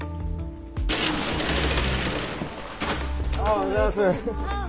あおはようございます。